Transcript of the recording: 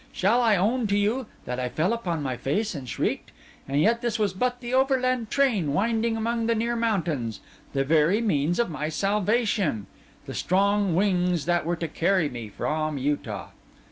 Shall I own to you, that I fell upon my face and shrieked? And yet this was but the overland train winding among the near mountains: the very means of my salvation: the strong wings that were to carry me from Utah!